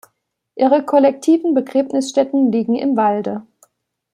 Ihre kollektiven Begräbnisstätten liegen im Walde.